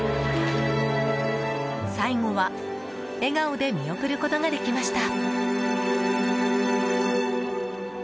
最後は笑顔で見送ることができました。